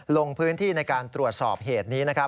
ลงพื้นที่ในการตรวจสอบเหตุนี้